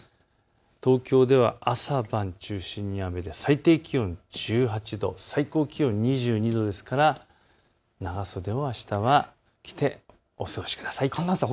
東京では朝晩中心に雨で最低気温１８度、最高気温２２度ですから長袖、あしたは着てお過ごしください。